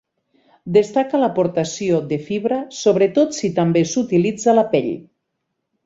Destaca l'aportació de fibra sobretot si també s'utilitza la pell.